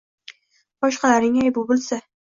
Boshqalarning aybi bo’lsa